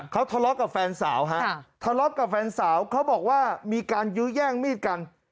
เขาทะเลาะกับแฟนสาวฮะทะเลาะกับแฟนสาวเขาบอกว่ามีการยื้อแย่งมีดกัน